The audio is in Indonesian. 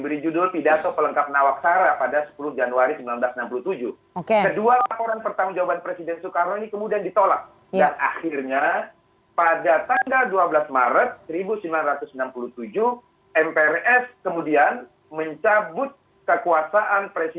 bahwa seorang pahlawan nasional dapat memperoleh gelar pahlawan nasional dengan syarat banyak sekali